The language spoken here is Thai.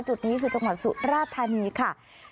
จุดนี้คือจังหวัดสุราธานีค่ะ